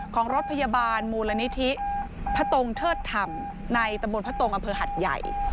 ของรถพยาบาลมูลนิธิพระตงเทิดธรรมในตำบลพระตรงอำเภอหัดใหญ่